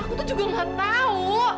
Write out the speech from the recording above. aku tuh juga gak tahu